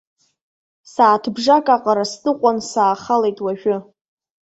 Сааҭбжак аҟара сныҟәан саахалеит уажәы.